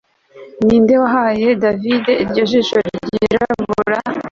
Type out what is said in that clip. ninde wahaye davide iryo jisho ryirabura